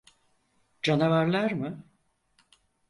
Canavarlar mı?